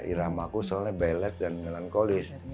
irama aku soalnya bellet dan melankolis